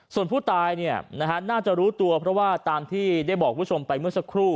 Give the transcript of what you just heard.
ส่วนผู้ตายน่าจะรู้ตัวเพราะว่าตามที่ได้บอกคุณผู้ชมไปเมื่อสักครู่